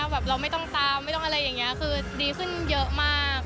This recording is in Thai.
แบบเราไม่ต้องตามไม่ต้องอะไรอย่างนี้คือดีขึ้นเยอะมาก